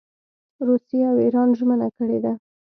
روسیې او اېران ژمنه کړې ده.